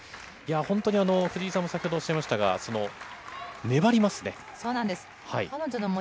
本当に藤井さんも先ほどおっしゃいましたが、粘りますね。